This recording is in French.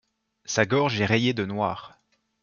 Sa gorge est rayée de noir.